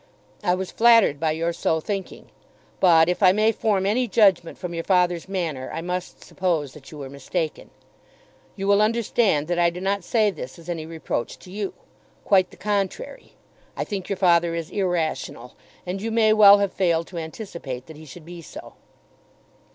I was flattered by your so thinking; but, if I may form any judgment from your father's manner, I must suppose that you were mistaken. You will understand that I do not say this as any reproach to you. Quite the contrary. I think your father is irrational; and you may well have failed to anticipate that he should be so.